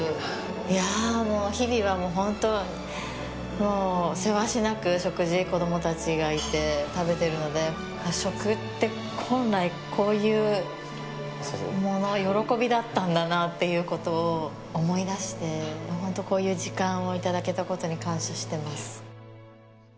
いやぁ、もう日々はほんともうせわしなく食事、子供たちがいて食べてるので、食って、本来、こういうもの、喜びだったんだなぁということを思い出して、ほんと、こういう時間をいただけたことに感謝してます。